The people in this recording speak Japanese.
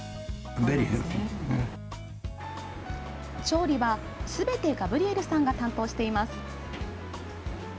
調理はすべてガブリエルさんが担当しています。